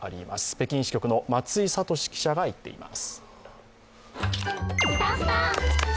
北京支局の松井智史記者が行っています。